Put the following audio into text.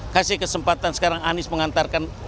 kasih kesempatan sekarang anies mengantarkan